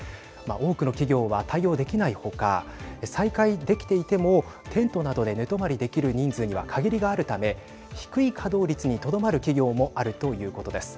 多くの企業は対応できないほか再開できていても、テントなどで寝泊まりできる人数には限りがあるため低い稼働率にとどまる企業もあるということです。